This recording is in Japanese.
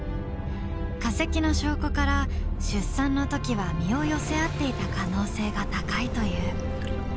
化石の証拠から出産の時は身を寄せ合っていた可能性が高いという。